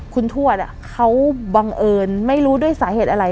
คุณทวดเขาบังเอิญไม่รู้ด้วยสาเหตุอะไร